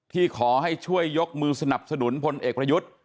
ที่ขอให้ช่วยยกมือสนับสนุนพลเอกประยุทธ์